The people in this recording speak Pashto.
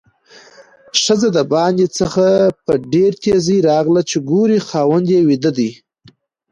ښځه د باندې څخه په ډېره تیزۍ راغله چې ګوري خاوند یې ويده ده؛